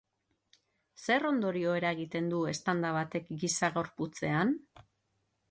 Zer ondorio eragiten du eztanda batek giza gorputzean?